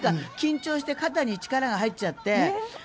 緊張して肩に力が入っちゃって。